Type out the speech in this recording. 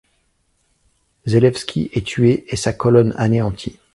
Zelewski est tué et sa colonne anéantie.